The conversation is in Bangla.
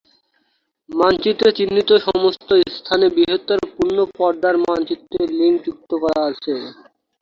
মানচিত্রে চিহ্নিত সমস্ত স্থানে বৃহত্তর পূর্ণ পর্দার মানচিত্রের লিঙ্ক যুক্ত করা আছে।